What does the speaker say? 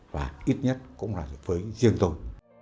và ít nhất cũng là với riêng tôi